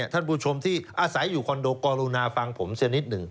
ท่านผู้ชมที่อาศัยอยู่คอนโดกรุณาฟังผมเสียนิดหนึ่ง